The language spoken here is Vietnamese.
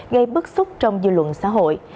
gây bức xúc trong dư luận xã hội